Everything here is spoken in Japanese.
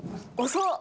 遅っ。